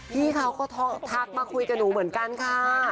พี่เขาก็ทักมาคุยกับหนูเหมือนกันค่ะ